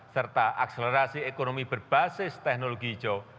serta akselerasi ekonomi berbasis teknologi hijau